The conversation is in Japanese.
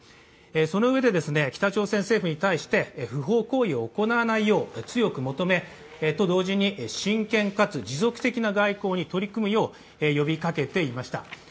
そのうえで北朝鮮政府に対して不法行為を行わないよう強く求め、と同時に真剣かつ持続的な外交に取り組むよう呼びかけていました。